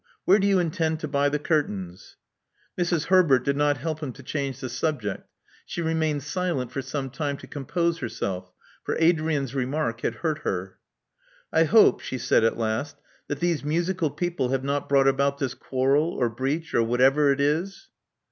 Where do you intend to buy the curtains?" Mrs. Herbert did not help him to change the sub ject. She remained silent for some time to compose herself; for Adrian's remark had hurt her. I hope," she said at last, that these musical people have not brought about this quarrel— or breach, or whatever it is."